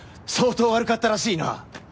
相当悪かったらしいな。